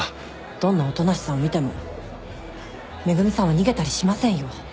どんな音無さんを見ても恵美さんは逃げたりしませんよ。